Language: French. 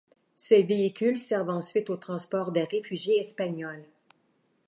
Ces véhicules servent ensuite au transport des réfugiés espagnols.